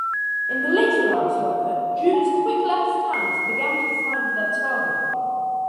In the later rounds, however, Judah's quick left hands began to find their target.